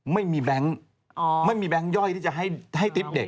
ไม่มีแบงค์ไม่มีแบงค์ย่อยที่จะให้ทริปเด็ก